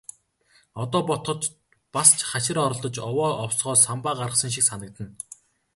Одоо бодоход бас ч хашир оролдож, овоо овсгоо самбаа гаргасан шиг санагдана.